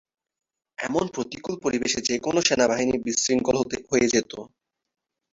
এমন প্রতিকূল পরিবেশে যে কোনো সেনাবাহিনী বিশৃঙ্খল হয়ে যেতো।